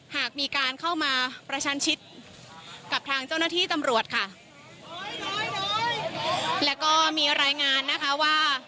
หากมีการเข้ามาประชันชิดกับทางเจ้าหน้าที่ตำรวจค่ะแล้วก็มีรายงานนะคะว่า